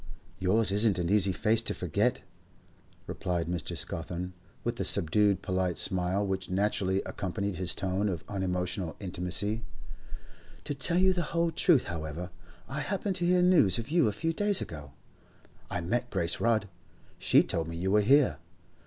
'Yours isn't an easy face to forget,' replied Mr. Scawthorne, with the subdued polite smile which naturally accompanied his tone of unemotional intimacy. 'To tell you the whole truth, however, I happened to hear news of you a few days ago. I met Grace Rudd; she told me you were here.